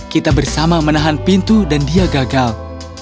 kita bersama menahan pintu dan dia gagal